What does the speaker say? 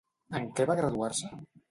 En què va graduar-se?